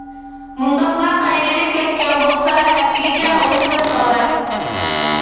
مۇنداقلا قايرىلىپ كەتكەن بولسا ئەتىگىچە ئوڭشىلىپ قالار.